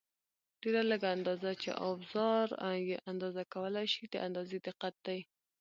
ډېره لږه اندازه چې اوزار یې اندازه کولای شي د اندازې دقت دی.